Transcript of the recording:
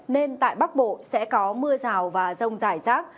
nên tại bắc bộ sẽ có mưa rào và rông rải rác